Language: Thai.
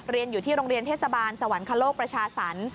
เรียนอยู่ที่โรงเรียนเทศบาลสวรรคโลกประชาสรรค